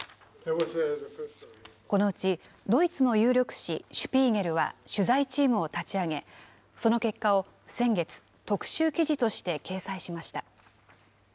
このうちドイツの有力誌シュピーゲルは取材チームを立ち上げ、その結果を先月、特集記事として掲載しました。